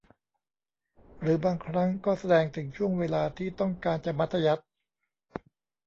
หรือบางครั้งก็แสดงถึงช่วงเวลาที่ต้องการจะมัธยัสถ์